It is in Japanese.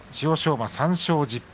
馬は３勝１０敗